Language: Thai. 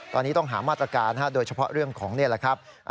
ตอนนี้ต้องหามาตรการโดยเฉพาะเรื่องของนี่แหละครับ